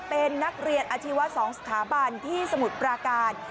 เป็นนักเรียนอาชีวะ๒สถาบันที่สมุทรปราการ